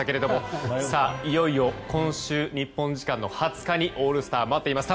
いよいよ今週、日本時間２０日にオールスター待っています。